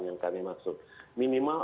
yang kami maksud minimal